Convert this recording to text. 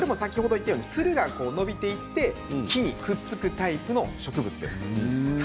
つるが伸びていって木にくっつくタイプの植物です。